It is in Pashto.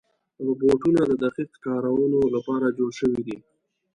روبوټونه د دقیق کارونو لپاره جوړ شوي دي.